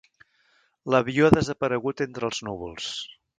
L'avió ha desaparegut entre els núvols.